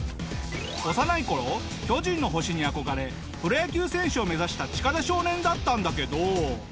幼い頃『巨人の星』に憧れプロ野球選手を目指したチカダ少年だったんだけど。